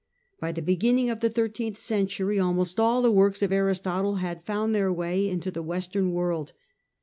By the beginning of the thirteenth century almost all the works of Aristotle had found their way into the western world.